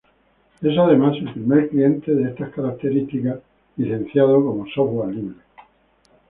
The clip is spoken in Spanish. Es, además, el primer cliente de estas características licenciado como software libre.